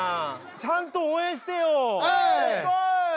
ちゃんと応援して。